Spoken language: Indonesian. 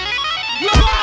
lo sudah bisa berhenti